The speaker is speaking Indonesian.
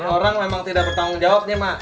orang memang tidak bertanggung jawabnya mah